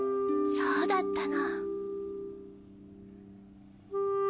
そうだったの。